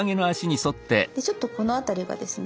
でちょっとこの辺りがですね